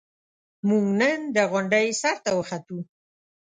موږ نن د غونډۍ سر ته وخوتو.